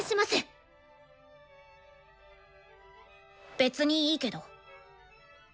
別にいいけど。